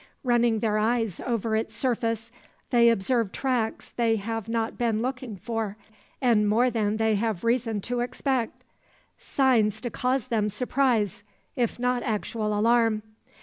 Running their eyes over its surface, they observe tracks they have not been looking for, and more than they have reason to expect. Signs to cause them surprise, if not actual alarm.